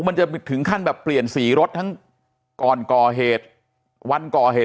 มันจะถึงขั้นแบบเปลี่ยนสีรถทั้งก่อนก่อเหตุวันก่อเหตุ